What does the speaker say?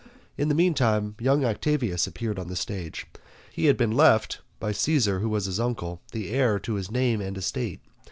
In the meantime young Octavius appeared on the stage; he had been left by Caesar, who was his uncle, the heir to his name and estate.